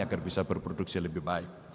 agar bisa berproduksi lebih baik